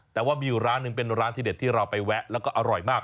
แต่ว่ามีอยู่ร้านหนึ่งเป็นร้านที่เด็ดที่เราไปแวะแล้วก็อร่อยมาก